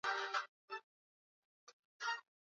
Uki fokeya kilubi ikosa una mwanga mayi ku mukongo ya bata